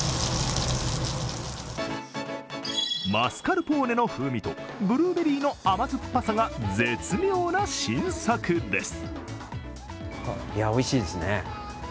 マスカルポーネの風味とブルーベリーの甘酸っぱさが絶妙な新作です。